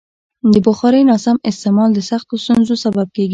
د بخارۍ ناسم استعمال د سختو ستونزو سبب کېږي.